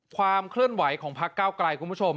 ความเคลื่อนไหวของพักเก้าไกลคุณผู้ชม